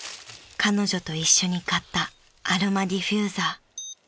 ［彼女と一緒に買ったアロマディフューザー］